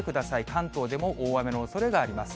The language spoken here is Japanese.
関東でも大雨のおそれがあります。